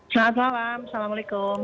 selamat malam assalamualaikum